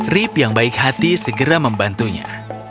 rip yang baik hati segera membantunya